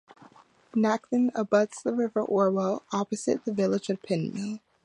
Nacton abuts the River Orwell opposite the village of Pin Mill.